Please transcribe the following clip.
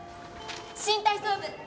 新体操部！